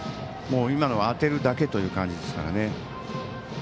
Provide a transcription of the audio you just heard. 今のは当てるだけという感じですからね。